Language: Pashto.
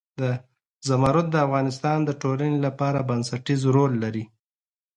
زمرد د افغانستان د ټولنې لپاره بنسټيز رول لري.